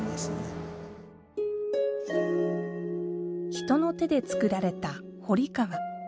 人の手で造られた堀川。